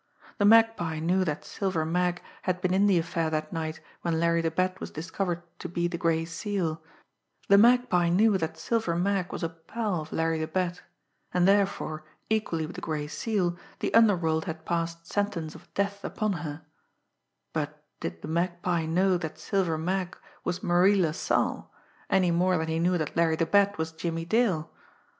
The Magpie knew that Silver Mag had been in the affair that night when Larry the Bat was discovered to be the Gray Seal; the Magpie knew that Silver Mag was a pal of Larry the Bat, and, therefore, equally with the Gray Seal, the underworld had passed sentence of death upon her but did the Magpie know that Silver Mag was Marie LaSalle, any more than he knew that Larry the Bat was Jimmie Dale?